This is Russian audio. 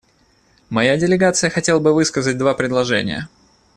Моя делегация хотела бы высказать два предложения.